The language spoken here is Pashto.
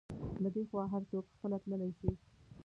له دې خوا هر څوک خپله تللی شي.